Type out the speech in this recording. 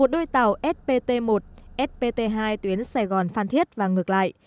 một đôi tàu spt một spt hai tuyến sài gòn phan thiết và ngược lại